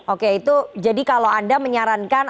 oke itu jadi kalau anda menyarankan